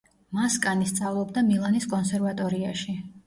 მასკანი სწავლობდა მილანის კონსერვატორიაში.